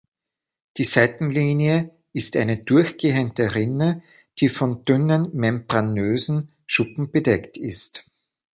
Die Seitenlinie ist eine durchgehende Rinne die von dünnen, membranösen Schuppen bedeckt ist.